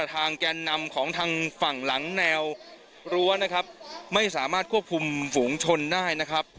แกนนำของทางฝั่งหลังแนวรั้วนะครับไม่สามารถควบคุมฝูงชนได้นะครับ